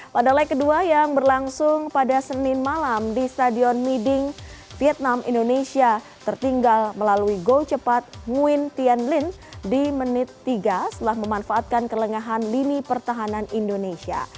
pada leg kedua yang berlangsung pada senin malam di stadion miding vietnam indonesia tertinggal melalui gol cepat nguin tien lyn di menit tiga setelah memanfaatkan kelengahan lini pertahanan indonesia